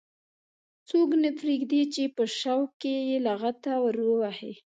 څوک نه پرېږدي چې په شوق کې یې لغته ور ووهي.